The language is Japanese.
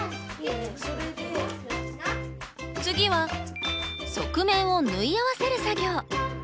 次は側面を縫い合わせる作業。